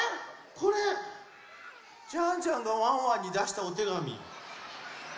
これジャンジャンがワンワンにだしたおてがみ。